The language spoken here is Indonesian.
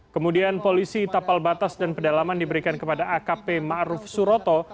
kemudian polisi tapal batas dan pedalaman diberikan kepada akp maruf suroto